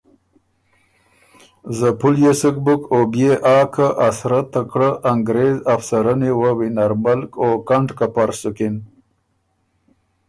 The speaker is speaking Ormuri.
زپُليې سُک بُک او بيې آ که ا سرۀ تکړه انګرېز افسرني وه وینر ملک او کنډکپر سُکِن